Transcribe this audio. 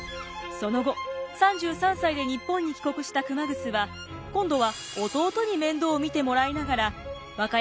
その後３３歳で日本に帰国した熊楠は今度は弟に面倒を見てもらいながら和歌山県熊野